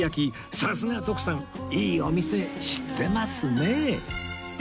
さすが徳さんいいお店知ってますね